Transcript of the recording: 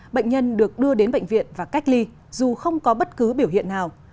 bệnh nhân được đưa đến bệnh viện và cách ly dù không có bất cứ biểu hiện nào